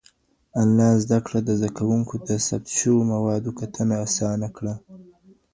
انلاين زده کړه زده کوونکو ته د ثبت شويو موادو کتنه آسانه کړه.